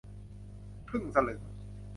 ครึ่งสลึง